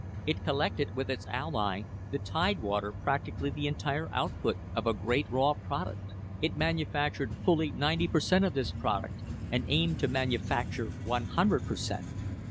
It collected with its ally, the Tide water, practically the entire output of a great raw product. It manufactured fully ninety per cent, of this product, and aimed to manufacture 100 per cent.